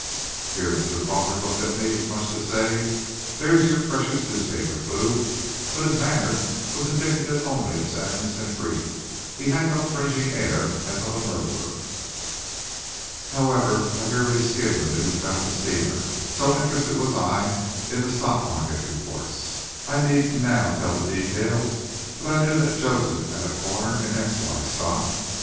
Here Mr. Crawford looked at me, as much as to say, "There's your precious newspaper clue," but his manner was indicative only of sadness and grief; he had no cringing air as of a murderer. "However, I merely skimmed the news about the steamer, so interested was I in the stock market reports. I needn't now tell the details, but I knew that Joseph had a `corner' in X.Y. stock.